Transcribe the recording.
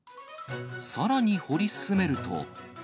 さらに掘り進めると。